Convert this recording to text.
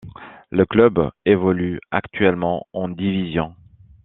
Le club évolue actuellement en division.